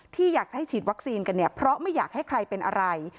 ที่อยากจะให้ฉีดวัคซีนกันเนี่ยเพราะไม่อยากให้ใครเป็นอะไร